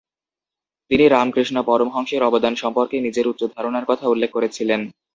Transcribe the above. তিনি রামকৃষ্ণ পরমহংসের অবদান সম্পর্কে নিজের উচ্চ ধারণার কথা উল্লেখ করেছিলেন।